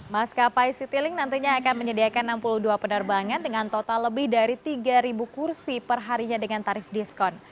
maskapai citylink nantinya akan menyediakan enam puluh dua penerbangan dengan total lebih dari tiga kursi perharinya dengan tarif diskon